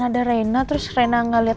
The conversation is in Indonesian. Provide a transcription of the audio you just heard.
ada rena terus rena gak liat